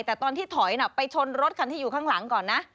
แต่ตอนที่ถอยไปชนรถคันที่อยู่ข้างหลังก่อนนะ